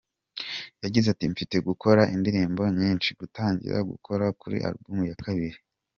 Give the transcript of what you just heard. Yagize ati: "Mfite gukora indirimbo nyinshi, gutangira gukora kuri album ya kabiri.